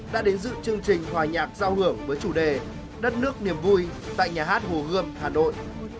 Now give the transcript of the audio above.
đã đến dự chương trình hòa nhạc giao hưởng với chủ đề đất nước niềm vui tại nhà hát hồ gươm hà nội